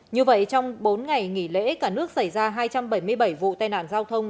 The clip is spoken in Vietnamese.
như vậy trong bốn ngày nghỉ lễ cả nước xảy ra hai trăm bảy mươi bảy vụ tai nạn giao thông